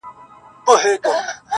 زه هم له خدايه څخه غواړمه تا.